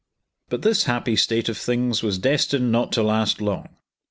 But this happy state of things was destined not to last long.